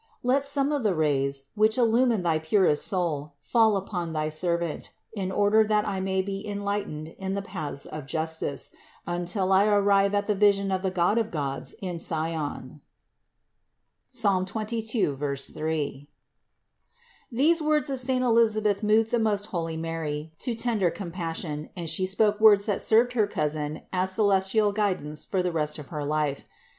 Let some of the rays, which illumine thy purest soul fall upon thy servant, in order that I may be en lightened in the paths of justice, until I arrive at the vision of the God of gods in Sion." (Ps. 22, 3.) 284. These words of saint Elisabeth moved the most holy Mary to tender compassion and She spoke words that served her cousin as celestial guidance for the rest of her life.